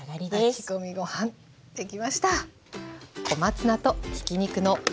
炊き込みご飯出来ました！